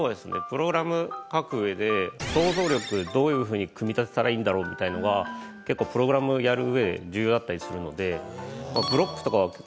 プログラムを書く上で想像力どういうふうに組み立てたらいいんだろうみたいなのが結構プログラムをやる上で重要だったりするので。